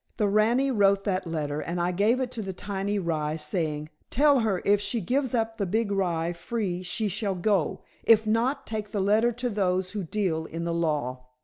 The rani wrote that letter, and I gave it to the tiny rye, saying: 'Tell her if she gives up the big rye free she shall go; if not take the letter to those who deal in the law.'"